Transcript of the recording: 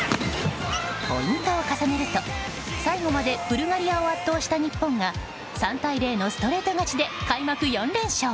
ポイントを重ねると、最後までブルガリアを圧倒した日本が３対０のストレート勝ちで開幕４連勝。